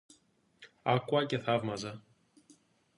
Άκουα και θαύμαζα